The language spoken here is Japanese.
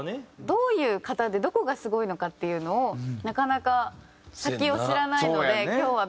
どういう方でどこがすごいのかっていうのをなかなか先を知らないので今日は勉強したいなって思います。